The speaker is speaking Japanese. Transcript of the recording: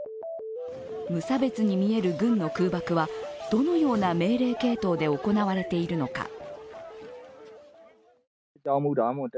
無差別に見える軍の空爆は、どのような命令系統で行われているのか。